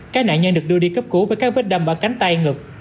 các nạn nhân được đưa đi cấp cứu với các vết đâm bỏ cánh tay ngực